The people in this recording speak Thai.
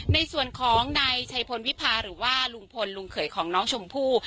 ในส่วนของนายชัยพลวิพาหรือว่าลุงพลลุงเขยของน้องชมพู่